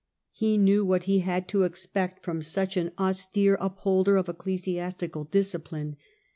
He knew what he had to expect from such an austere upholder of ecclesiastical discipline.